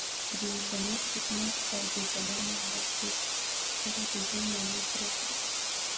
د انسانیت خدمت او د بلانو مرستې سره د ژوند معنا پوره کړئ.